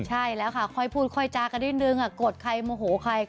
ใช่แล้วค่ะคอยพูดคอยจากนิดนึงลื่นกดใครโมโหใครก็๑๒๓๐๐๖